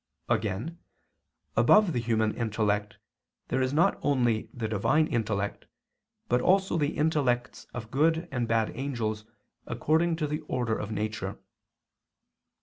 Again, above the human intellect there is not only the Divine intellect, but also the intellects of good and bad angels according to the order of nature.